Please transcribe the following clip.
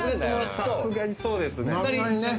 さすがにそうですね。